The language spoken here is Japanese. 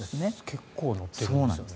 結構乗ってるんですね。